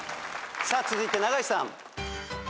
さあ続いて永井さん。